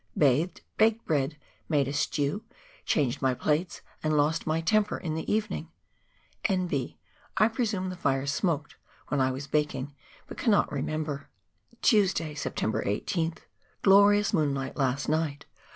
Bathed, baked bread, made a stew, changed my plates and lost my temper in the evening ! (N.B, I presume the fire smoked when I was baking, but cannot remember !) Tuesday, September l^th. — Glorious moonlight last night.